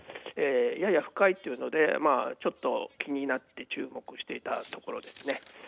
やや深いというのでちょっと気になって注目していたところですね。